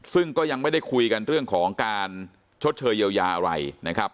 ซึ่งก็ยังไม่ได้คุยกันเรื่องของการชดเชยเยียวยาอะไรนะครับ